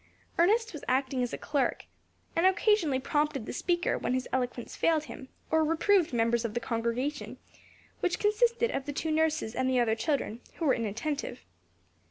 Ernest was acting as clerk, and occasionally prompted the speaker when his eloquence failed him, or reproved members of the congregation, which consisted of the two nurses and the other children, who were inattentive.